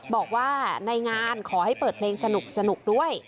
บอกว่าในงานขอให้เปิดเพลงสนุกด้วย